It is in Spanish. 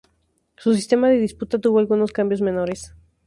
Su sistema de disputa tuvo algunos cambios menores.